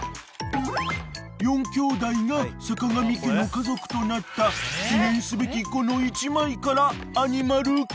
［４兄弟が坂上家の家族となった記念すべきこの１枚からアニマルＱ］